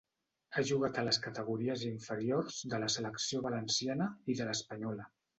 Ha jugat a les categories inferiors de la selecció valenciana, i de l'espanyola.